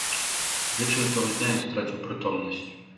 Увечары таго ж дня ён страціў прытомнасць.